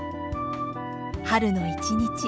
春の一日。